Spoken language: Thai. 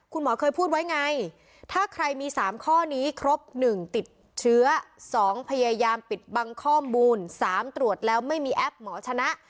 คุณหมอเคยพูดไว้ไงถ้าใครมี๓ข้อนี้ครบ๑ติดเชื้อ๒พยายามปิดบังข้อมูล๓ตรวจแล้วไม่มีแอปหมอชนะ